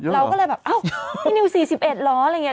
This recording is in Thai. เราก็เลยแบบอ้าวพี่นิว๔๑เหรออะไรอย่างนี้